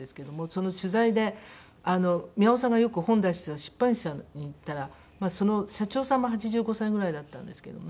その取材で宮尾さんがよく本出してた出版社に行ったらその社長さんも８５歳ぐらいだったんですけどもね。